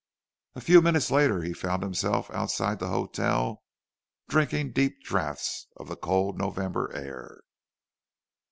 A few minutes later he found himself outside the hotel, drinking deep draughts of the cold November air.